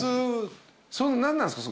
何なんすか？